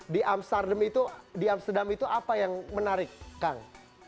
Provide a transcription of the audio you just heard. di amsterdam itu apa yang menarik kang